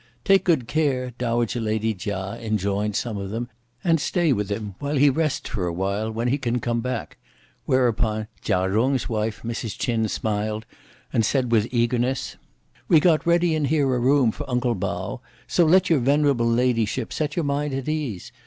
"Take good care," dowager lady Chia enjoined some of them, "and stay with him, while he rests for a while, when he can come back;" whereupon Chia Jung's wife, Mrs. Ch'in, smiled and said with eagerness: "We got ready in here a room for uncle Pao, so let your venerable ladyship set your mind at ease.